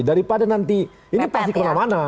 daripada nanti ini pasti kemana mana